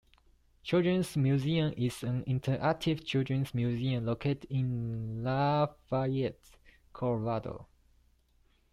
Children's Museum is an interactive children's museum located in Lafayette, Colorado.